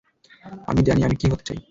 আমি জানি আমি কী হতে চাই।